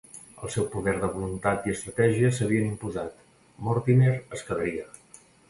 El seu poder de voluntat i estratègia s'havien imposat: Mortimer es quedaria.